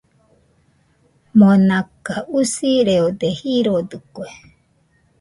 Monaka usireode jirodɨkue.